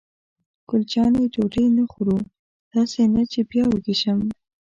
ګل جانې: ډوډۍ نه خورو؟ داسې نه چې بیا وږې شم.